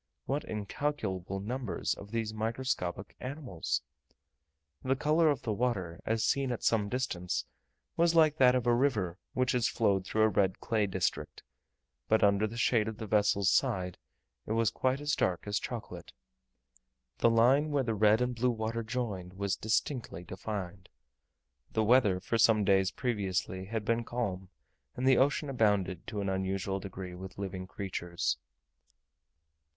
What incalculable numbers of these microscopical animals! The colour of the water, as seen at some distance, was like that of a river which has flowed through a red clay district, but under the shade of the vessel's side it was quite as dark as chocolate. The line where the red and blue water joined was distinctly defined. The weather for some days previously had been calm, and the ocean abounded, to an unusual degree, with living creatures.